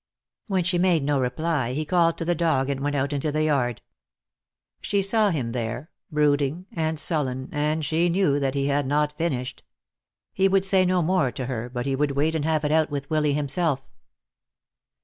When she made no reply, he called to the dog and went out into the yard. She saw him there, brooding and sullen, and she knew that he had not finished. He would say no more to her, but he would wait and have it out with Willy himself.